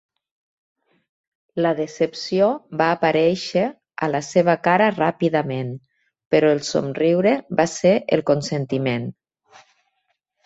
La decepció va aparèixer a la seva cara ràpidament, però el somriure va ser el consentiment.